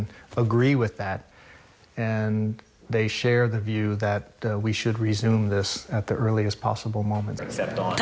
คงคิดว่าเราต้องการต่อไปต่อไป